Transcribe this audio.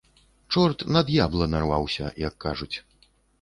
Чорт на д'ябла нарваўся, як кажуць.